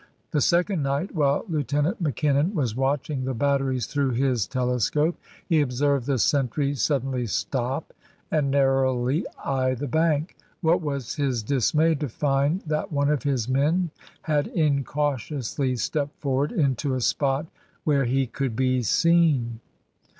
The second night, while Lieutenant Mackinnon was watching the batteries through his telescope, he observed the sentry suddenly stop and narrowly eye the bank. What was his dismay to find that one of his men had incautiously stepped forward into a spot where he could be seen.